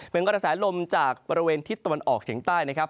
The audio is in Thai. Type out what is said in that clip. เป็นกระแสลมจากบริเวณทิศตะวันออกเฉียงใต้นะครับ